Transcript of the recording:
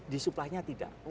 di supply nya tidak